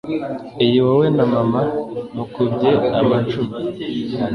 iyi wowe na mama mukubye amacumi